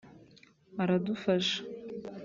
aradufasha